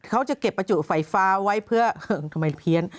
เขาจะเก็บประจุไฟฟ้าไว้เพื่อเหิ่งทำไมเพี้ยน